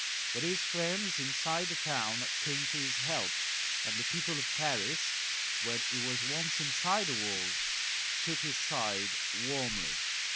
But his friends inside the town came to his help, and the people of Paris, when he was once inside the walls, took his side warmly.